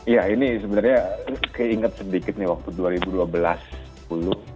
ya ini sebenarnya keinget sedikit nih waktu dua ribu dua belas dua ribu sepuluh